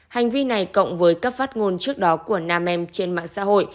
hành vi này cộng với các phát ngôn trước đó của nam em trên mạng xã hội